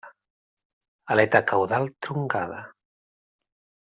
Aleta caudal truncada.